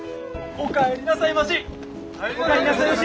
お帰りなさいまし！